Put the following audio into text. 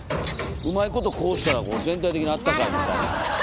うまいことこうしたら全体的にあったかいみたいな。